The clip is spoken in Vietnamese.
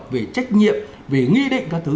về trách nhiệm về nghi định các thứ